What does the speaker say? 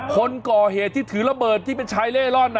คนก่อเหตุที่ถือระเบิดที่เป็นชายเล่ร่อน